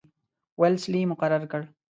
ویلسلي مقرر کړ.